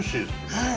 はい。